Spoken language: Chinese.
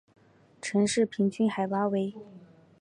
城市平均海拔为。